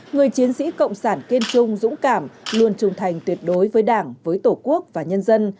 người chiến sĩ cộng sản kiên trung dũng cảm luôn trung thành tuyệt đối với đảng với tổ quốc và nhân dân